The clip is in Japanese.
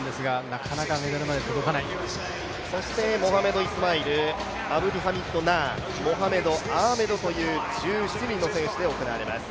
なかなかメダルまでは届かないモハメド・イスマイル、アブディハミッド・ナーモハメド・アーメドという１７人の選手で行われます。